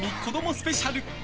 スペシャル！